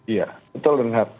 iya betul renat